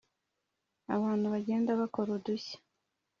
abantu bagenda bakora udushya